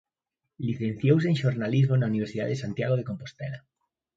Licenciouse en Xornalismo na Universidade de Santiago de Compostela.